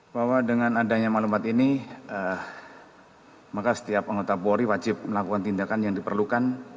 bahwa dengan adanya maklumat ini maka setiap anggota polri wajib melakukan tindakan yang diperlukan